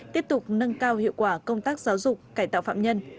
tiếp tục nâng cao hiệu quả công tác giáo dục cải tạo phạm nhân